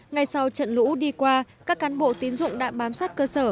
ngay sau trận lũ đi qua các cán bộ tín dụng đã bám sát cơ sở